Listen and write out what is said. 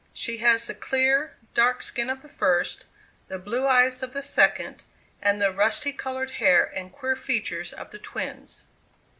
She has the clear, dark skin of the first, the blue eyes of the second, and the rusty coloured hair and queer features of the twins."